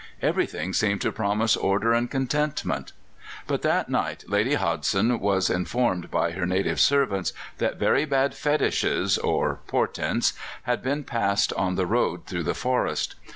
Everything seemed to promise order and contentment. But that night Lady Hodgson was informed by her native servants that very bad fetishes, or portents, had been passed on the road through the forest.